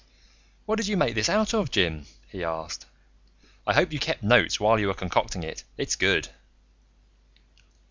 "What did you make this out of, Jim?" he asked. "I hope you kept notes while you were concocting it. It's good."